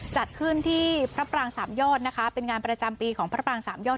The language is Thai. จัดขึ้นที่พระปรางสามยอดนะคะเป็นงานประจำปีของพระปรางสามยอด